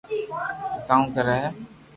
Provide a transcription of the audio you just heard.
تو ڪوڙ ڪري ھي